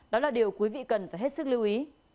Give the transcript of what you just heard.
đó là điều quý vị cần phải hết sức lưu ý